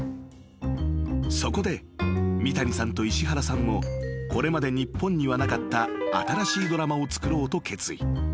［そこで三谷さんと石原さんもこれまで日本にはなかった新しいドラマを作ろうと決意］